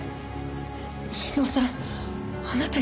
日野さんあなたゆうべ。